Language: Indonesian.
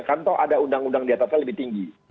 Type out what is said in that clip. kan tau ada undang undang di atasnya lebih tinggi